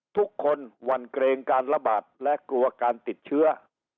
ทุกวันหวั่นเกรงการระบาดและกลัวการติดเชื้อ